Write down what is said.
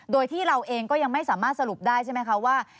โดยที่เราเองก็ยังไม่สามารถสรุปได้ใช่ไหมคะว่า